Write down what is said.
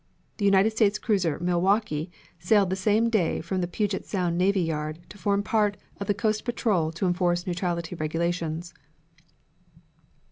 The United States cruiser Milwaukee sailed the same day from the Puget Sound Navy Yard to form part of the coast patrol to enforce neutrality regulations.